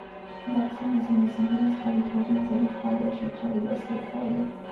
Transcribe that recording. Dawson nació en Los Ángeles, California, de los padres Richard y Rosalie Caballero.